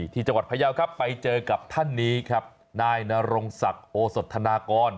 ที่จังหวัดพยาวครับไปเจอกับท่านนี้ครับนายนรงศักดิ์โอสธนากร